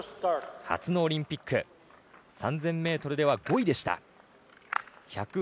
初のオリンピック３０００ｍでは５位でした。